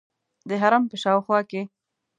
د حرم په شاوخوا کې.